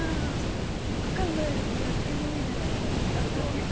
よく考えると雑菌まみれだったんですね。